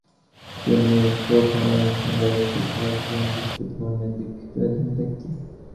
তিনি প্রথম Asian barrister ছাড়াও ছিলেন খ্রীস্ট ধর্মে দীক্ষিত একজন ব্যক্তি।